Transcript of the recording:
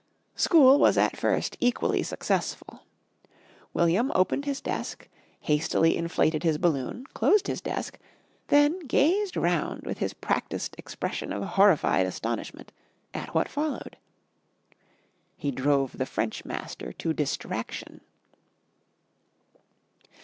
School was at first equally successful. William opened his desk, hastily inflated his balloon, closed his desk, then gazed round with his practised expression of horrified astonishment at what followed. He drove the French master to distraction.